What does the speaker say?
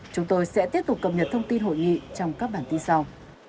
chúng tôi sẽ tiếp tục cập nhật thông tin hội nghị trong các bản tin sau